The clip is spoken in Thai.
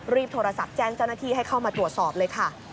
โทรศัพท์แจ้งเจ้าหน้าที่ให้เข้ามาตรวจสอบเลยค่ะ